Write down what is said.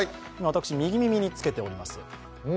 今、私、右耳につけております。